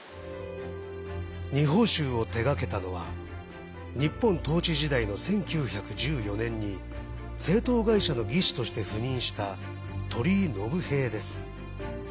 二峰しゅうを手がけたのは日本統治時代の１９１４年に製糖会社の技師として赴任した鳥居信平です。